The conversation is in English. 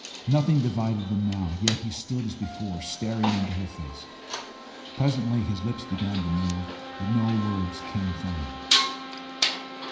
Nothing divided them now, yet he stood as before, staring into her face. Presently his lips began to move, but no words came from them.